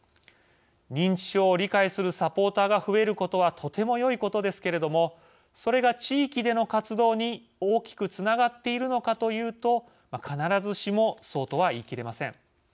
認知症を理解するサポーターが増えることはとてもよいことですけれどもそれが地域での活動に大きくつながっているのかというと必ずしもそうとは言い切れません。